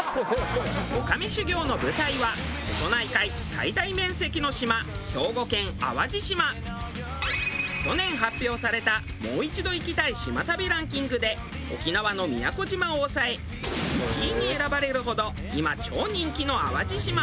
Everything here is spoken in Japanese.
女将修業の舞台は瀬戸内海最大面積の島去年発表された「もう一度行きたい島旅ランキング」で沖縄の宮古島を抑え１位に選ばれるほど今超人気の淡路島。